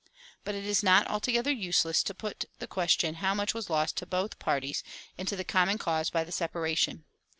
But it is not altogether useless to put the question how much was lost to both parties and to the common cause by the separation.